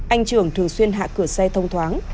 anh trưởng thường xuyên hạ cửa xe thông thoáng